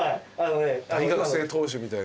大学生投手みたいに。